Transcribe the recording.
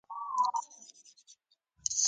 دا پېښې ته لیوفیلیزیشن ویل کیږي.